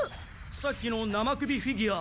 さっきの生首フィギュア